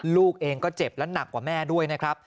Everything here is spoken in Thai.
ลูกเองก็เจ็บและหนักกว่าแม่ด้วยนะครับ